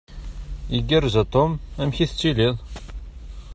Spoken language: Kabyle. Igerrez a Tom? Amek i tettiliḍ?